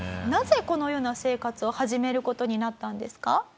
なぜこのような生活を始める事になったんですか？